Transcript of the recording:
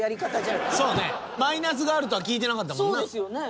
そうねマイナスがあるとは聞いてなかったもんな。